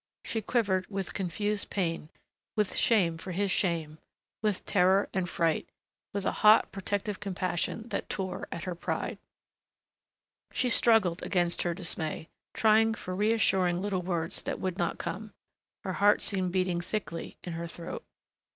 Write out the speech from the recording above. She quivered with confused pain, with shame for his shame, with terror and fright ... with a hot, protective compassion that tore at her pride.... She struggled against her dismay, trying for reassuring little words that would not come. Her heart seemed beating thickly in her throat.